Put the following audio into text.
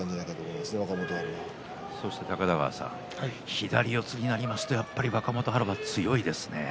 左四つになるとやっぱり若元春は強いですね。